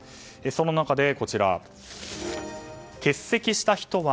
その中で欠席した人は？